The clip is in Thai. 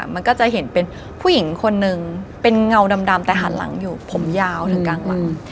มันก็จะเห็นเป็นผู้หญิงคนนึงเป็นเงาดำแต่หันหลังอยู่ผมยาวถึงกลางหลัง